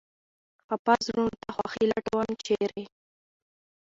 خپه زړونو ته خوښي لټوم ، چېرې ؟